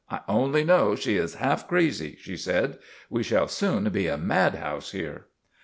" I only know she is half crazy," she said. " We shall soon be a mad house here."